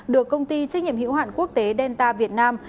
được công ty trách nhiệm hiệu hoạn quốc tế delta việt nam